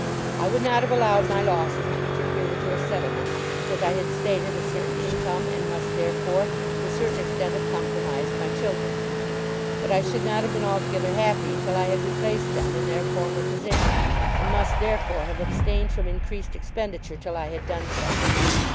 I would not have allowed my losses to interfere with your settlement because I had stated a certain income; and must therefore to a certain extent have compromised my children. But I should not have been altogether happy till I had replaced them in their former position, and must therefore have abstained from increased expenditure till I had done so.